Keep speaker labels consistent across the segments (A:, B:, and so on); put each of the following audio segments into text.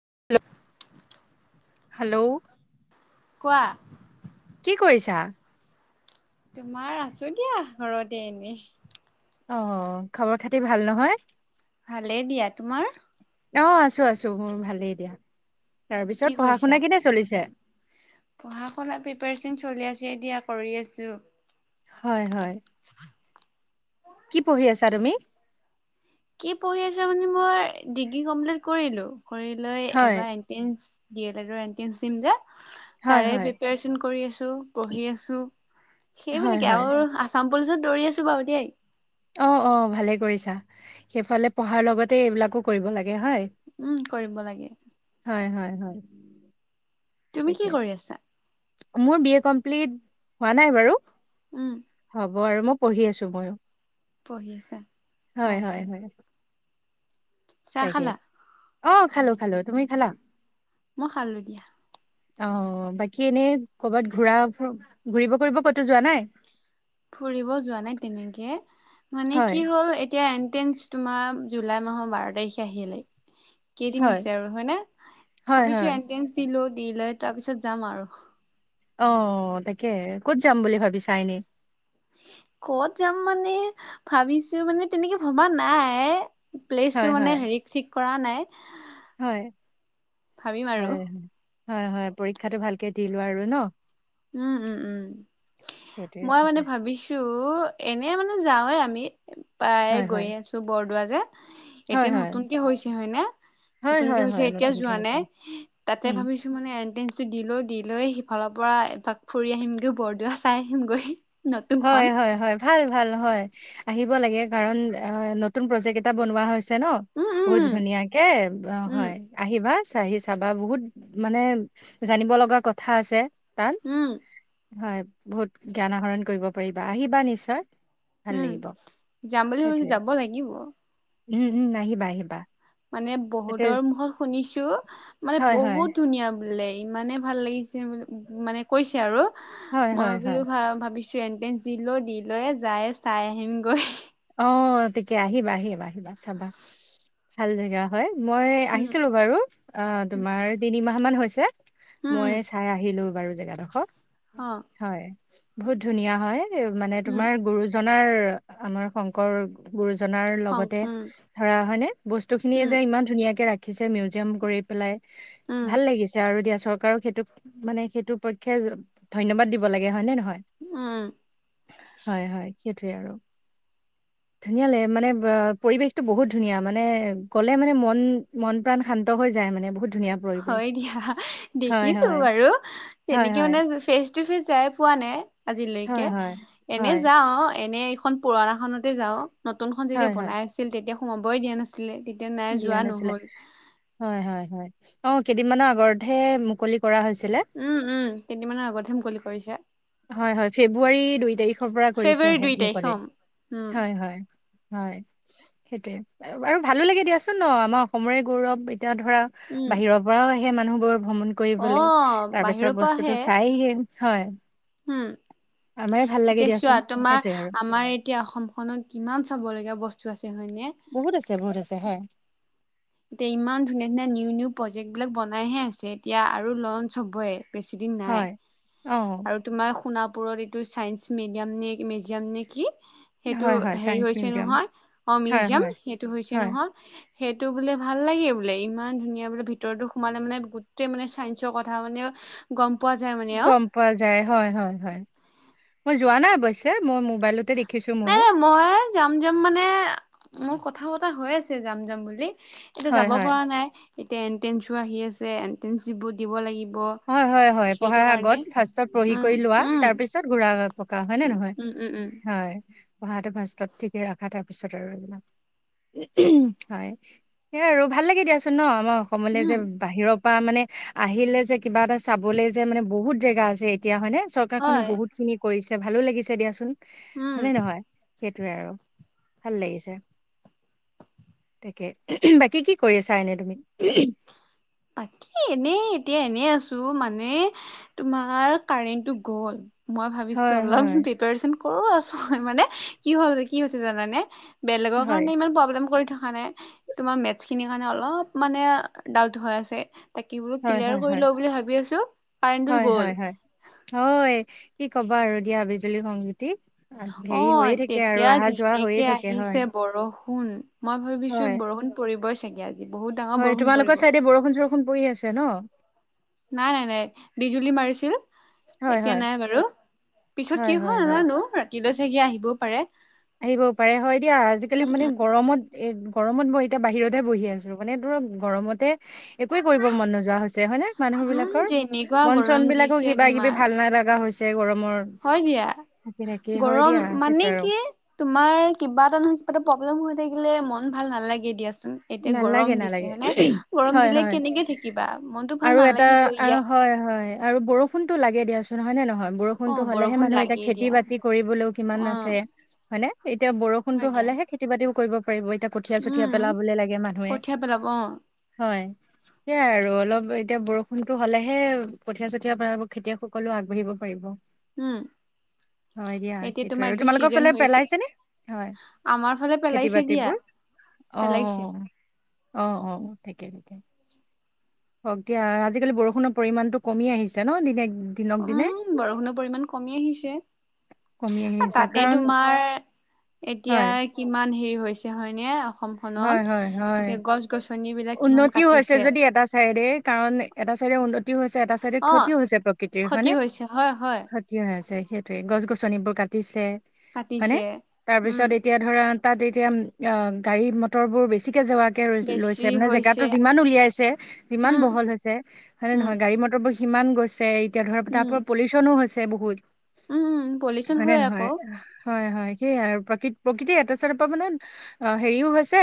A: উ [unintelligible] হেল্লো'।
B: কোৱা।
A: কি কৰিছা?
B: তোমাৰ আছো দিয়া ঘৰতে এনেই।
A: অ খবৰ খাতি ভাল নহয়?
B: ভালেই দিয়া তোমাৰ?
A: অ আছো আছো মোৰ ভালেই এ দিয়া। তাৰ
B: কি
A: পিছত পঢ়া
B: কৰিছা
A: শুনা কেনে চলিছে?
B: পঢ়া শুনা প্ৰিপাৰচন চলি আছে এতিয়া কৰি আছো।
A: হয় হয়। কি পঢ়ি আছা তুমি?
B: কি পঢ়ি আছা মানে মই ডিগ্ৰী কমকৈ কৰিলো। কৰিলৈ
A: হয়
B: এইবাৰ এনটেঞস। ডি এল এডৰ এনট্ৰেন্ঞ্চ দিম যে
A: হয়
B: তাৰে
A: হয়
B: প্ৰিপাৰচন কৰি আছো পঢ়ি আছো।
A: হয়
B: সেইবুলিকে
A: হয়।
B: আৰু আছাম পুলিচত দৌৰি আছো বাৰু দেই।
A: অ অ ভালে কৰিছা সেইফালে পঢ়াৰ লগতে এইবিলাকো কৰিব লাগে হয়।
B: উম কৰিব লাগে।
A: হয় হয় হয়।
B: তুমি
A: তাকে।
B: কি কৰি আছা?
A: মোৰ বি এ কমপ্লিট হোৱা নাই বাৰু।
B: উম।
A: হব আৰু মই পঢ়ি আছো ময়ো।
B: পঢ়ি আছা
A: হয়
B: অ'।
A: হয় হয়
B: চাহ
A: তাকে
B: খালা
A: অ খালো খালো। তুমি খালা?
B: মই খালোঁ দিয়া।
A: অ বাকী এনেই কৰ'বাত ঘূৰা ঘূৰিব কৰিব কতো যোৱা নাই।
B: ফুৰিব যোৱা নাই তেনেকে মানে
A: হয়,
B: কি হ'ল এতিয়া। এণ্ট্ৰেন্স তোমাৰ জুলাই মাহৰ বাৰ তাৰিখে আহিলে। কেইদিন
A: হয়,
B: আছে আৰু হয় নে
A: হয়,
B: ভাবিছো
A: হয়।
B: এণ্ট্ৰেন্স দি লও। দি লৈ তাৰ পিছত যাম আৰু।
A: অ তাকে ক'ত যাম বুলি ভাবিছা এনে।
B: কত যাম মানে ভাবিছো মানে তেনেকে ভবা নাই। প্লেচ টো
A: হয়,
B: মানে
A: হয়,
B: হেৰিক ঠিক কৰা নাই।
A: হয়
B: ভাবিম আৰু।
A: হয়। হয় হয় পৰীক্ষাটো ভালকে দি লোৱা আৰু ন।
B: উম উম উম
A: সেইটোৱে
B: মই মানে
A: সেইটোৱে।
B: ভাবিছো। উ এনে মানে যাওৱে আমি প্ৰায়ে
A: হয়,
B: গৈ
A: হয়,
B: আছো বৰদোৱা যে।
A: হয়,
B: এতিয়া
A: হয়,
B: নতুনকে হৈছে হয়নে?
A: হয়,
B: নতুনকে
A: হয়,
B: হৈছে
A: হয়,
B: এতিয়া
A: নতুন
B: যোৱা
A: ঠাই চোৱা।
B: নাই তাতে
A: উম,
B: ভাবিছো মানে এণ্ট্ৰেন্স টো দি লও দি। লৈ সিফালৰ পৰা এপাক ফুৰি আহিমগৈ বৰদোৱা চাই আহিমগৈ।
A: হয়
B: নতুনখন
A: হয় হয় ভাল ভাল হয়। আহিব লাগে কাৰণ অ নতুন প্ৰজেক্ট এটা বনোৱা হৈছে। আছে ন
B: উম
A: বহুত
B: উম
A: ধুনীয়াকে অ
B: উম
A: হয় আহিবা। চাহি চাবা বহুত মানে জানিব লগা কথা আছে। তাত,
B: উম।
A: হয় বহুত জ্ঞান আহৰণ কৰিব পাৰিবা আহিবা নিশ্চয়। ভাল
B: উম
A: লাগিব
B: যাম বুলি ভাবিছোঁ
A: সেইটোৱে।
B: যাব লাগিব।
A: উম উম আহিবা আহিবা।
B: মানে
A: তাতে
B: বহুতৰ মুখত শুনিছো মানে
A: হয়, হয়,
B: বহুত ধুনীয়া। বোলে ইমানে ভাল লাগিছে মানে কৈছে আৰু
A: হয়,
B: মই
A: হয়, হয়।
B: বোলো ভ ভাবিছো। এণ্ট্ৰেন্স দি লও দি লৈ যায় চাই আহিমগৈ।
A: অ' তেতিয়া আহিবা আহিবা আহিবা চাবা। ভাল জেগা হয়। মই
B: উম
A: আহিছিলো বাৰু অ' তোমাৰ তিনিমাহ মান হৈছে। মই
B: উম
A: চাই আহিলো বাৰু জেগাডোখৰ
B: অ
A: হয় বহুত ধুনীয়া হয়। মানে
B: উম
A: তোমাৰ গুৰুজনাৰ আমাৰ শংকৰ গুৰুজন। জনাৰ লগতে ধৰা হয় নে বস্তু
B: উম
A: খিনিয়
B: উম
A: যে ইমান ধুনীয়াকে ৰাখি ৰাখিছে মিউজিয়াম কৰি পেলাই ভাল
B: উম
A: লাগিছে আৰু দিয়াচোন। চৰকাৰক সেইটোক মানে সেইটো পক্ষে ধন্যবাদ দিব লাগে হয় নে নহয়।
B: উম
A: হয় হয় সেইটোয়ে আৰু। ধুনীয়া লাগে মানে পৰিৱেশটো বহুত ধুনীয়া মানে। গ'লে মানে মন মন প্ৰাণ শান্ত হৈ যায় মানে বহুত। ধুনীয়া পৰিৱেশ
B: হয় দিয়া
A: হয়
B: দেখিছো
A: হয়
B: বাৰু
A: হয়
B: তেনেকে
A: হয়
B: মানে ফেচ ফেচ টো ফেচ যাই পোৱা নাই
A: হয়
B: আজিলৈকে
A: হয়
B: এনে
A: হয়
B: যাওঁ‌। এনে এইখন পুৰণা খনতে যাওঁ‌। নতুন খন যেতিয়া
A: হয় হয়
B: বনাই আছিল তেতিয়া সোমাবই দিয়া নাছিলে। নাই
A: দিয়া
B: যোৱা
A: নাছিলে
B: নহল
A: হয় হয় হয়। অ' কেইদিনমানৰ আগতহে মুকলি কৰা হৈছিলে
B: উম উম কেইদিনমানৰ আগতহে মুকলি কৰিছে।
A: হয় হয়। ফেব্ৰুৱাৰী দুই তাৰিখৰ পৰা
B: ফেব্ৰুৱাৰী
A: কৰিছেহে
B: দুই তাৰিখ
A: মোকলে
B: হম উম
A: হয় হয় হয়। সেইটোৱে আৰু ভালো লাগে দিয়াচোন ন। আমাৰ অসমৰে গৌৰৱ। এতিয়া ধৰা
B: উম
A: বাহিৰৰ পৰাও আহে মানুহবোৰ। ভ্ৰমণ
B: অ
A: কৰিবলৈ
B: বাহিৰৰ
A: তাৰপিছত
B: পৰা
A: বস্তুটো
B: আহে
A: চায়হে হয়।
B: উম
A: আমাৰে ভাল লাগে
B: এতিয়া চোৱা
A: দিয়াচোন
B: তোমাৰ
A: সেইটোৱে আৰু।
B: আমাৰ এতিয়া অসমখনত কিমান চাব লগীয়া বস্তু। [inaudible] হয়নে
A: বহুত আছে বহুত আছে হয়।
B: এতিয়া ইমান ধুনীয়া ধুনীয়া নিউ নিউ প্ৰজেক্ট বিলাক বনাইহে আছে এতিয়া আৰু লঞ্চ হ'বই [inaudible] বেছি দিন নাই
A: হয় অ
B: আৰু তোমাৰ শুনা কাপোৰত এইটো ছায়ন্স মিডিয়াম নে মিজিয়াম নে কি? সেইটো
A: হয় হয়
B: হেৰি
A: চাইন্স
B: হৈছে
A: মিউজিয়াম
B: নহয় অ'
A: হয়
B: মিউজিয়াম
A: হয়
B: সেইটো হৈছে
A: হয়
B: নহয় সেই [inaudible] টো বোলে ভাল লাগে বোলে। ইমান ধুনীয়া বোলে ভিতৰতো সোমালে মানে গোটেই মানে চাইসৰ কথা মানে গম প
A: হয় মই ম [inaudible]
B: নাই নাই। মই যাম যাম মানে মোৰ কথা বতা হৈ আছে যাম যাম বুলি। এতিয়া
A: হয়
B: যাব
A: হয়
B: পৰা নাই। এতিয়া এনট্ৰেঞ্চো আহি আছে এনট্ৰেঞ্চ ব দিব লাগিব। [inaudible]
A: হয় হয় হয়।
B: সেইটো
A: পঢ়াৰ
B: কাৰণে
A: আগত ফাৰ্ষত পঢ়ি
B: উম
A: কৰি লোৱা
B: উম
A: তাৰ পিছত ঘুৰা পকা হয় নে নহয়?
B: উম উম উম
A: হয় পঢ়াটো ফাৰ্ষষ্টত ঠিকে আখা তাৰ পিছত আৰু এইবিলাক হয় সেই আৰু ভাল লাগে দিয়াচোন ন। আমাৰ অসমলে যে
B: উম
A: বাহিৰৰ পৰা মানে আহিলে যে কিবা এটা চাবলে যে মানে বহুত জেগা আছে এতিয়া হয় ন। চৰকাৰখনে
B: হয়
A: বহুত খিনি কৰিছে ভালো লাগিছে দিয়াচোন।
B: উম
A: হয়নে নহয়? সেইটোৱে আৰু ভাল লাগিছে। তাকে বাকী কি কৰি আছা এনে তুমি?
B: বাকী এনে এতিয়া এনে আছো মানে তোমাৰ কাৰেণ্টটো গ'ল। মই ভাবিছো
A: হয়
B: অলপ
A: হয়
B: প্ৰিপাৰচন কৰো আছো মানে কি হল কি হৈছে জানানে? বেলেগৰ
A: হয়
B: কাৰণে ইমান প্ৰব্লেম কৰি থাক তোমাৰ মেথছ খিনি কাৰণে অলপ মানে ডাউট হৈ আছে। তাকী বো
A: হয়
B: ক্লিয়াৰ
A: হয়
B: কৰি
A: হয়
B: ল বুলি ভাবি আছো কাৰেণ্টোত
A: হয়
B: গ'ল।
A: হয় হয় হয় কি ক'বা আৰু দিয়া আ বিজুলী সংগীত
B: অ' তেতিয়া
A: অহা যোৱা হৈয়ে
B: যেনেকে
A: থাকে হয়
B: আহিছে বৰষুণ মই ভাবিছো
A: হয়
B: বৰষুণ পৰিবই চাগে আজি বহুত ডাঙৰ
A: হয়
B: বৰষুণ
A: তোমালোকৰ
B: পৰিব।
A: চাইডে বৰষুণ চৰষুণ পৰি আছে ন
B: নাই নাই নাই বিজুলী মাৰিছিল।
A: হয়
B: এতিয়া
A: হয়
B: নাই বাৰু পিছত
A: হয়
B: কি
A: হয়
B: হোৱা
A: হয়
B: নাজানো ৰাতিলৈ চাগি আহিবও পাৰে।
A: আহিবও পাৰে হয় দিয়া। আজিকালি
B: উম
A: মানে
B: উম
A: গৰমত এ গৰমত বই এতিয়া বাহিৰতহে বহি আছো, মানে ধৰক গৰমতে। একোৱে কৰিব মন নোযোৱা হৈছে হয়নে মানুহ
B: উম
A: বিলাকৰ।
B: যেনেকুৱা
A: মন
B: গৰম
A: চন বিলাকো
B: দিছে
A: কিবা কিবি
B: তোমাৰ
A: ভাল নাই লগা হৈছে। গৰমৰ
B: হয় দিয়া
A: থাকি থাকি হয়
B: গৰম
A: দিয়া সেইটো
B: মানে
A: আৰু
B: কি। তোমাৰ কিবা এটা নহয় কিবা এটা প্ৰব্লেম হৈ থাকিলে মন ভাল নালাগে দিয়া। ন এতিয়া
A: নালাগে
B: গৰম
A: নালাগে
B: দিছে মানে, গৰম
A: হয়
B: দিলে
A: হয়
B: কেনেকে থাকিবা মনতটো
A: আৰু
B: ভাল
A: এটা
B: নালাগিব
A: আহ,
B: ইয়াত।
A: হয় হয়, আৰু বৰষুণতো লাগে। দিয়াচোন হয় নে নহয়,
B: অ
A: বৰষুণতো হলেহে
B: বৰষুণ
A: মানুহ এতিয়া
B: লাগেই
A: খেতি
B: দিয়া
A: বাতি কৰিবলৈও কিমান আছে
B: অ',
A: হয় নে? এতিয়া বৰষুণতো
B: হয় দিয়া।
A: হ'লেহে খেতি বাতিও কৰিব পাৰিব এতিয়া কঠীয়া চঠিয়া পেলাবলৈ লাগে। মানুহে
B: পঠিয়া পেলাব অ।
A: হয়। সেইয়াই আৰু অলপ এতিয়া বৰষুণতো হলেহে কঠীয়া চঠিয়া খেতিয়কসকলো আগবাঢ়িব পাৰিব।
B: হম।
A: হয় দিয়া, সেইটো আৰু তোমালোকৰ ফালে
B: হৈছে।
A: পেলাইছে নে হয়।
B: আমাৰ ফালে
A: খেতি
B: পেলাইছে দিয়া।
A: বাতিবোৰ অ
B: পেলাইছে।
A: অ অ ঠিকে ঠিকে। হওক দিয়া, আজিকালি বৰষুণৰ পৰিমাণতটো কমি আহিছে ন দি
B: উম বৰষুণৰ পৰিমান কমি
A: কমি আহি
B: আহিছে।।
A: আছে
B: তাতে
A: কাৰণ
B: তোমাৰ এতিয়া
A: হয়
B: কিমান হেৰি। হৈছে হয়নে,
A: হয়
B: অসমখনত
A: হয় হয়
B: এতিয়া গছ গছনি।
A: উন্নতিও হৈছে যদি এটা চাইডে কাৰণ এটা চাইডে উন্ন। ক্ষতিও হৈছে এটা চাইডে
B: অ',
A: ক্ষতিও হৈছে প্ৰকৃতিৰ
B: ক্ষতি
A: হয়নে?
B: হৈছে হয়, হয়,
A: ক্ষতিও আছে। সেইটোৱে গছ গছনিবোৰ কাটিছে হয়নে?
B: কাটিছে।
A: তাৰ
B: উম,
A: পিছত এতিয়া ধৰা। তাত এতিয়া অ গাড়ী মটৰ বোৰ বেছিকে জোৱাকে ৰৈ লৈছে।
B: বেছি
A: মানে জেগাতটো
B: হৈছে।
A: যিমান উলিয়াইছে যিমান
B: উম,
A: বহল হৈছে মানে
B: উম,
A: নহয় গাড়ী মটৰ ব। সিমান গৈছে এতিয়া ধৰ তাৰ
B: উম,
A: পৰা পলিউচনো হৈছে বহুত।
B: উম, পলিউচন
A: হয় নে নহয়?
B: আকৌ
A: হয় হয়, সেয়াই আৰু প্ৰকৃ প্ৰকৃতিৰ এটা চৰৰ পৰা মানে অ হেৰিও হৈছে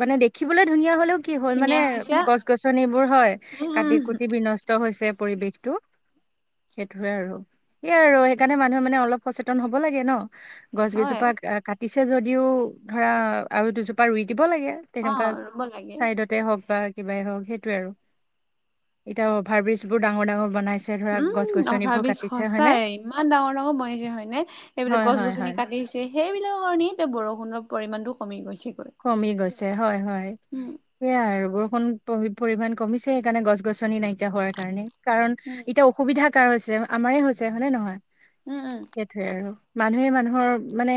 A: মানে দেখিবলৈ ধুনীয়া হলেও। কি হ'ল মানে
B: ধুনীয়া হৈছে।
A: গছ গছনিবোৰ হয় কাটি
B: উম,
A: কুটি বিনষ্ট হৈছে।। পৰিৱেশটো' সেইটোয়ে আৰু। সেয়াই আৰু সেইকাৰণে মানুহে মানে অলপ সচেতন হব লাগে ন? গছ
B: হয়।
A: গজোপা কাটিছে যদিও ধৰা আৰু দুজোপা ৰুই। দিব লাগে
B: অ
A: তেনেকুৱা
B: ৰুব লাগে
A: চাইডতে হওক বা কিবাই হওক। সেইটোয়ে আৰু। এতিয়া অভাৰ ব্ৰিজ বোৰ ডাঙৰ ডাঙৰ বনাই।
B: উম, অভাৰ বিজ সঁচাই ইমান ডাঙৰ ডাঙৰ বনাইছে হয়নে?
A: হয়
B: এইবিলাক গছ
A: হয়
B: গছনি
A: হয়
B: কাটিছে। সেইবিলাকৰ কাৰণেই এতিয়া বৰষুণৰ পৰিমাণটো কমি গৈছে।
A: কমি গৈছে হয় হয় সেয়া আৰু। বৰষুণ পৰিমাণ কমিছে, সেইকাৰণে গছ গছনি নাইকিয়া হোৱাৰ কাৰণে। কাৰণ
B: উম
A: এতিয়া অসুবিধা। কাৰ হৈছে আমাৰ হৈছে হয়নে নহয়?
B: উম উম
A: সেইটোয়ে আৰু মানুহে মানুহৰ। মানে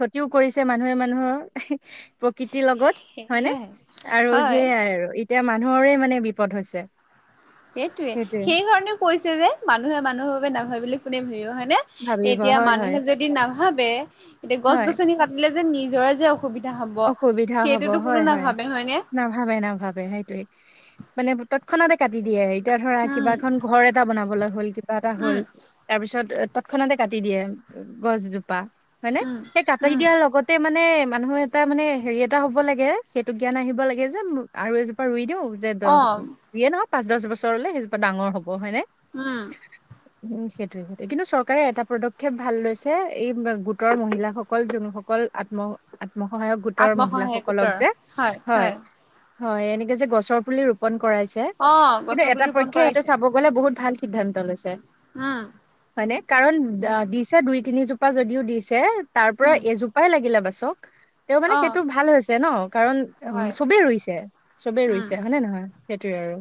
A: ক্ষতিও কৰিছে মানুহে মানুহৰ। প্ৰকৃতিৰ লগত হয় নে?
B: সেয়াই
A: আৰু
B: হয়
A: সেইয়াই আৰু। এতিয়া মানুহৰে মানে বিপদ হৈছে।
B: সেইটোয়ে।
A: সেইটোৱে
B: সেই কাৰণেও কৈছে যে মানুহে মানুহৰ বাবে নাভাবিলে কোনে ভাবিব হয়।
A: ভাবিব
B: এতিয়া
A: হয় হয়
B: মানুহে যদি নাভাবে, এতিয়া গছ
A: হয়
B: গছনি কাটিলে যে নিজৰ যে। অসুবিধা হব
A: অসুবিধা হ'ব
B: সেইটোতো কোনো
A: হয় হয়,
B: নাভাবে হয়নে
A: নাভাবে নাভাবে সেইটোৱে। মানে তৎক্ষণাতে কাটি দিয়েই। এতিয়া ধৰা কিবা
B: উম
A: এখন ঘৰ এটা বনাবলৈ হ'ল কিবা এটা হ'ল
B: উম
A: তাৰ পিছত। তৎক্ষণাতে কাটি দিয়ে, গছজোপা হয় ন
B: উম
A: সেই কাটি
B: উম
A: দিয়াৰ লগতে মানে। মানুহ এটা মানে হেৰি এটা হব লাগে। সেইটো জ্ঞান আহিব লাগে যে আৰু এজোপা ৰুই দিওঁ। যে দহ
B: অ
A: যি য়ে নহক পাঁচ দহ বছৰলে সেইজোপা ডাঙৰ হ'ব। হয় নে,?
B: উম।
A: উম, সেইটোৱে সে- কিন্তু চৰকাৰে এটা পদক্ষেপ ভাল লৈছে, এই গোটৰ মহিলাসকল যোনস কল আত্ম- আত্মসহায়ক গোটৰ মহিলাসকল যে, হয় হয়, এনেকে যে গছৰ পুলি ৰোপন কৰাইছে।
B: অ
A: কিন্তু
B: গছৰ
A: এটা
B: পুলি ৰোপন
A: প্ৰক্ষে ইহঁতে
B: কৰাইছে
A: চাব গ'লে বহুত ভাল সিদ্ধান্ত লৈছে।
B: উম
A: হয় নে? কাৰণ
B: উম
A: অ'- দিছে দুই-তিনি জো পা যদিও দিছে, তাৰ পৰা
B: উম
A: এজোপাই লাগিলে বাচক। তেও মানে
B: অ
A: সেইটো ভাল হৈছে, ন'। কাৰণ উম,
B: হয়
A: চবে ৰুইছে। চবে
B: উম
A: ৰুইছে। হয়নে নহয়? সেইটোৱে আৰু।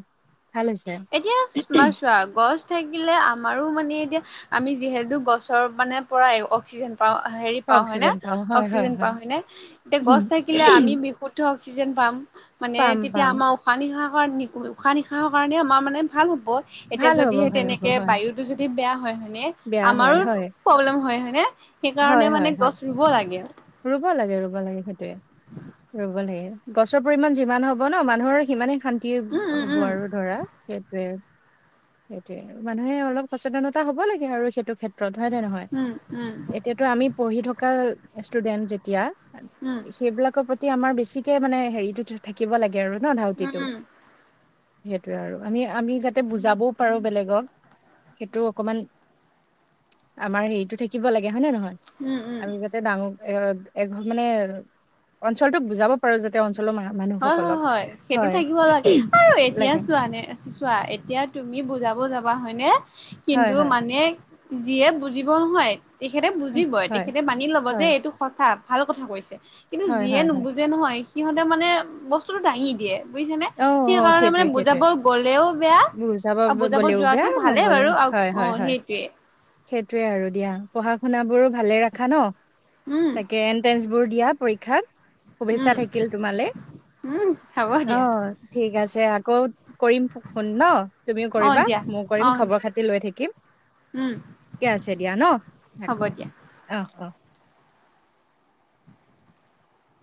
A: ভাল হৈছে
B: এতিয়া তোমাৰ চোৱা, গছ থাকিলে, আমাৰো মানে এতিয়া, আমি যিহেতু গছৰ মানে পৰাই অক্সিজেন পাওঁ- হেৰি পাওঁ হয় নে?
A: অক্সিজেন পাওঁ হয়
B: অক্সিজেন পাওঁ হয় নে? এতিয়া গছ
A: উম,
B: থাকিলে আমি বিশুদ্ধ অক্সিজেন পাম। মানে
A: পাম
B: তেতিয়া
A: পাম
B: আমাৰ উশাহ-নিশাহৰ- উশাহ-নিশাহৰ কাৰণে আমাৰ মানে ভাল হ ব। এতিয়া
A: ভাল হ'ব
B: যদিহে
A: ভাল হ'ব
B: তেনেকে
A: হয়
B: বায়ুটো যদি বেয়া হয়, হয় নে?
A: বেয়া হয়,
B: আমাৰো
A: হয়।
B: প্ৰব্লেম হয় নে?
A: হয়,
B: সেইকাৰণে
A: হয়,
B: মানে
A: হয়।
B: গছ ৰুব লাগে।
A: ৰুব লাগে - ৰুব লাগে সেইটোৱে। ৰুব লাগে। গছৰ পৰিমাণ যিমান হ'ব ন', মানুহৰ সিমানে শান্ তি
B: উম
A: হ'ব
B: উম
A: আৰু ধৰা, সেইটোৱে। সেইটোৱে আৰু। মানুহে অলপ সচেতনতা হ'ব লাগে আৰু, সেইটো ক্ষেত্ ত্ৰত, হয় নে নহয়?
B: উম উম
A: এতিয়াতো আমি পঢ়ি থকা ষ্টুডেন্ট যেতিয়া
B: উম
A: সেইবিলাকৰ প্ৰতি আমাৰ বেছিকে মানে হেৰিটো থাকিব লাগে। আৰু ন'?
B: উম
A: ধাউতিটো।
B: উম উম
A: সেইটোৱে আৰু। আমি- আমি যাতে বুজাবও পাৰোঁ বেলেগক, সেইটো অকমান আমাৰ হেৰিটো থাকিব লাগে, হয় নে নহয়?
B: উম - উম।
A: হক অ' এঘৰ মানে, অঞ্চলটোক বুজাব পাৰোঁ যাতে অ
B: হয় - হয় - হয়, সেইটো থাকিব লাগে। আৰু এতিয়া
A: লাগে
B: চোৱা নে- চোৱা, এতিয়া তুমি বুজাব যোৱা হয়নে?
A: হয়
B: কিন্তু
A: হয়
B: মানে যিয়ে বুজিব নহয় তেখেতে
A: উম
B: বুজিবই।
A: হয়
B: তেখেতে মানি ল'ব যে,
A: হয়
B: এইটো সঁচা, ভাল কথা কৈছে। কিন্তু
A: হয়
B: যিয়ে
A: হয় হয়
B: নুবুজে নহয়, সিহঁতে মানে বস্তুটো দাঙি দিয়ে। বুজিছা নে?
A: অ অ
B: সেইকাৰণে মানে
A: সেইটোৱে সেইটোৱে
B: বুজাব গ'লেও বেয়া,
A: বুজাব
B: আৰু বুজাব
A: গ'লেও
B: যোৱাটো
A: বেয়া
B: ভালে
A: নগ'লে
B: বাৰু। অ'
A: হয় হয় হয়
B: সেইটোৱে।
A: সেইটোৱে আৰু দিয়া। পঢ়াশুনাবোৰো ভালে ৰাখা ন'?
B: উম
A: তাকে এন্ট্ৰেন্ঞ্চবোৰ দিয়া। পৰীক্ষাত।
B: উম
A: শুভেচ্ছা থাকিল তোমালে।
B: উম হ'ব দিয়া
A: অ' ঠিক আছে। আকৌ কৰিম ফোন ন'? তুমিও
B: অ
A: কৰিবা,
B: দিয়া
A: মইও
B: অ
A: কৰিম। খবৰ-খাতি লৈ থাকিম।
B: উম
A: ঠিকে আছে দিয়া, ন'?
B: হ'ব
A: ৰাখোঁ।
B: দিয়া
A: অ' - অ'।